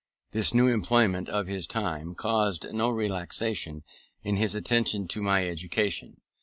This new employment of his time caused no relaxation in his attention to my education.